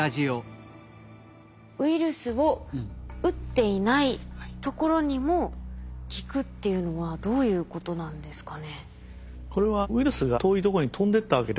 ウイルスを打っていないところにも効くっていうのはどういうことなんですかね？